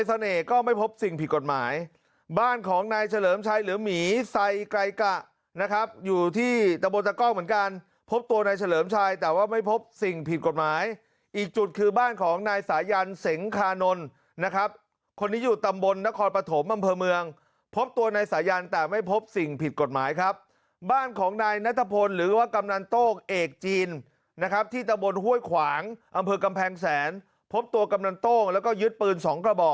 ใส่ไกลกระนะครับอยู่ที่ตะบนตากล้องเหมือนกันพบตัวในเฉลิมชายแต่ว่าไม่พบสิ่งผิดกฎหมายอีกจุดคือบ้านของนายสายันเสงคานนนะครับคนนี้อยู่ตำบลนครปฐมบำเภอเมืองพบตัวในสายันแต่ไม่พบสิ่งผิดกฎหมายครับบ้านของนายนัทพลหรือว่ากำลังโต้เอกจีนนะครับที่ตะบนห้วยขวางอำเภอกำแพงแสนพบตัวกำลังโ